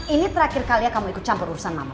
ini terakhir kali ya kamu ikut campur urusan mama